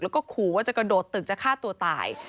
แล้วก็ขู่ว่าจะกระโดดตึกจะฆ่าตัวตาย